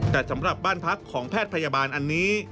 แต่สำหรับบ้านพักของแพทย์พยาบาลอันนี้